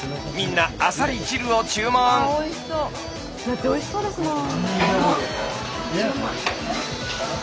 だっておいしそうですもん。